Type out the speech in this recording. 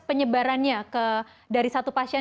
penyebarannya dari satu pasien